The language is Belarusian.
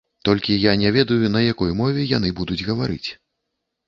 Толькі я не ведаю, на якой мове яны будуць гаварыць.